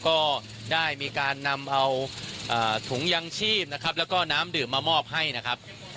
ก็ได้มีการนำเอาถุงยังชีพนะครับแล้วก็น้ำดื่มมามอบให้นะครับ